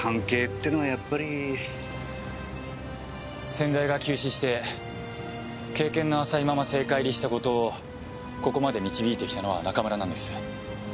先代が急死して経験の浅いまま政界入りした後藤をここまで導いてきたのは中村なんです。